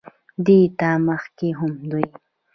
دې نه مخکښې هم دوي